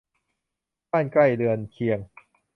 บ้านใกล้เรือนเคียง